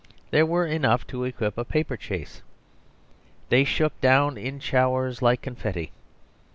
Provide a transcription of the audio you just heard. There were enough to equip a paper chase. They shook down in showers like confetti.